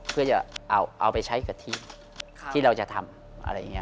เพื่อจะเอาไปใช้กะทิที่เราจะทำอะไรอย่างนี้